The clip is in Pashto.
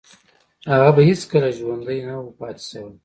هغه به هیڅکله ژوندی نه و پاتې شوی